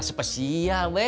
saya liat dulu